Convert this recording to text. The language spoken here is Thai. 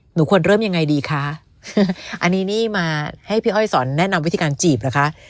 หนูควรเริ่มยังไงดีคะอันนี้นี่มาให้พี่อ้อยสอนแนะนำวิธีการจีบเหรอคะ